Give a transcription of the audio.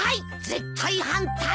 絶対反対。